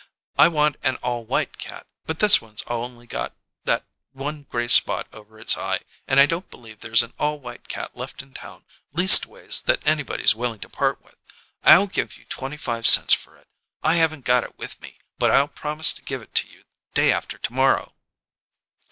"I want an all white cat, but this one's only got that one gray spot over its eye, and I don't believe there's an all white cat left in town, leastways that anybody's willing to part with. I'll give you twenty five cents for it. I haven't got it with me, but I'll promise to give it to you day after to morrow."